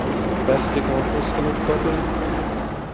Pässikö on puskenut, Topi?